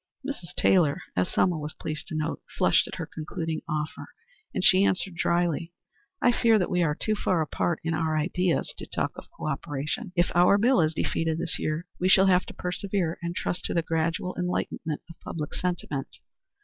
Mrs. Taylor, as Selma was pleased to note, flushed at her concluding offer, and she answered, drily, "I fear that we are too far apart in our ideas to talk of co operation. If our bill is defeated this year, we shall have to persevere and trust to the gradual enlightenment of public sentiment.